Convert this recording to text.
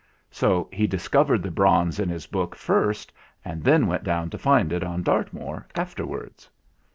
So he discovered the bronze in his book first and then went down to find it on Dartmoor afterwards.